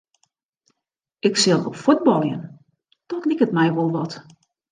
Ik sil op fuotbaljen, dat liket my wol wat.